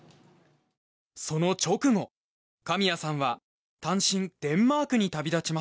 その直後神谷さんは単身デンマークに旅立ちます。